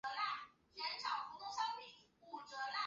港口点是位于美国加利福尼亚州马林县的一个非建制地区。